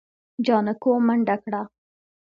جانکو منډه کړه.